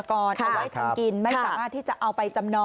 เอาไว้ทำกินไม่สามารถที่จะเอาไปจำนอ